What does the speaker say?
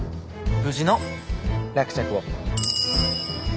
無事の落着を。